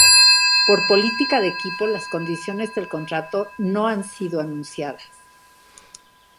Por política de equipo, las condiciones del contrato no han sido anunciadas.